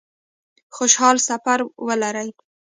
خوشحاله سفر ولري